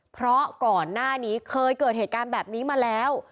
เพราะก่อนหน้านี้เคยเกิดเหตุการณ์แบบนี้มาแล้ว